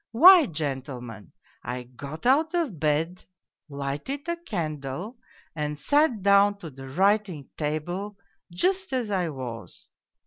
Why, gentlemen, I got out of bed, lighted a candle, and sat down to the writing table just as I was.